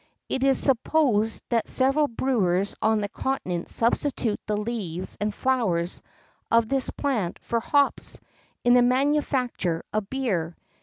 It is supposed that several brewers on the Continent substitute the leaves and flowers of this plant for hops, in the manufacture of beer.